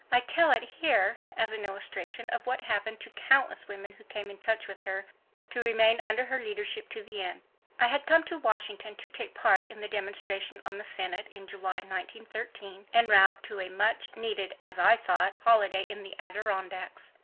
I tell it here as an illustration of what happened to countless women who came in touch with her to remain under her leadership to the end. I had come to Washington to take part in the demonstration on the Senate in July, 1913, en route to a muchneeded, as I thought, holiday in the Adirondacks.